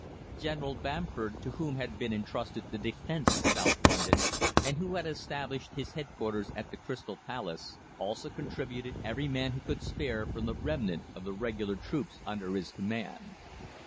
"General Bamford, to whom had been entrusted the defence of South London, and who had established his headquarters at the Crystal Palace, also contributed every man he could spare from the remnant of the Regular troops under his command.